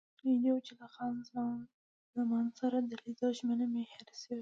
نژدې وو چې له خان زمان سره د لیدو ژمنه مې هېره شي.